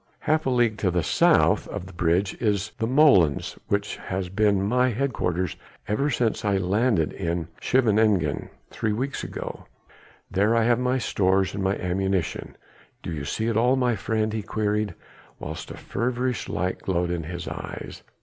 Half a league to the south of the bridge is the molens which has been my headquarters ever since I landed at Scheveningen three weeks ago; there I have my stores and my ammunition. Do you see it all, friend?" he queried whilst a feverish light glowed in his eyes.